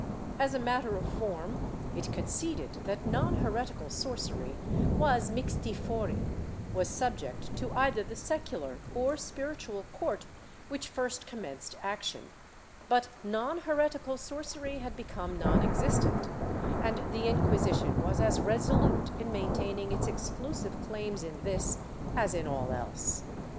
As a matter of form it conceded that non heretical sorcery was mixti fori — was subject to either the secular or spiritual court which first commenced action^ — l^ut non heretical sorcery had become non existent, and the Inquisi tion was as resolute in maintaining its exclusive claims in this as in all else.